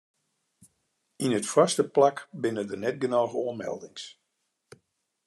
Yn it foarste plak binne der net genôch oanmeldings.